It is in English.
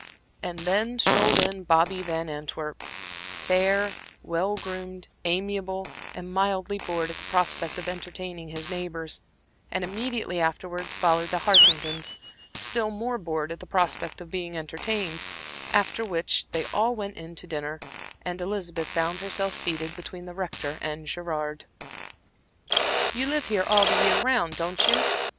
And then strolled in Bobby Van Antwerp, fair, well groomed, amiable, and mildly bored at the prospect of entertaining his neighbors; and immediately afterwards followed the Hartingtons, still more bored at the prospect of being entertained; after which they all went in to dinner, and Elizabeth found herself seated between the Rector and Gerard. "You live here all the year round, don't you?"